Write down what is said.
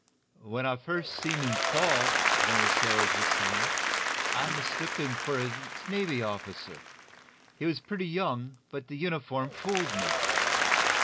"When I first seen him fall," one of the sailors was saying, "I mistook him for a Navy officer. He was pretty young, but the uniform fooled me."